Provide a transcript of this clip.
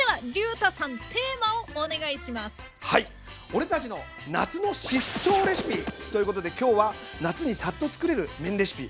「俺たちの夏の疾走レシピ！」ということで今日は夏にサッとつくれる「麺レシピ」